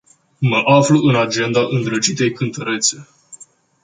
Mă aflu în agenda îndrăgitei cântărețe.